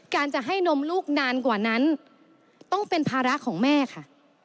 การจะให้นมลูกนานกว่านั้นต้องเป็นภาระของแม่ค่ะ